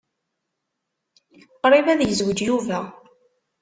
Qṛib ad yezweǧ Yuba.